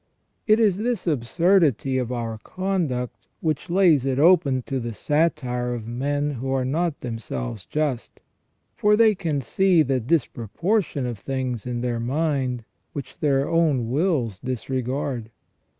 It is this absurdity of our conduct which lays it open to the satire of men who are not themselves just, for they can see the disproportion of things in their mind, which their own wills disregard.